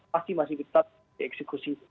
pasti masih bisa dieksekusi